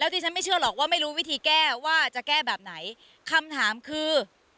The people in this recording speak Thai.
ดิฉันไม่เชื่อหรอกว่าไม่รู้วิธีแก้ว่าจะแก้แบบไหนคำถามคือ